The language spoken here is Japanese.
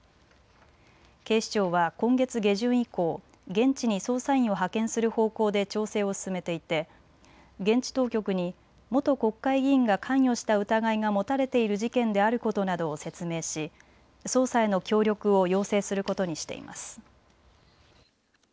警視庁は今月下旬以降現地に捜査員を派遣する方向で調整を進めていて現地当局に元国会議員が関与した疑いが持たれている事件であることなどを説明し捜査への協力を要請することにしています。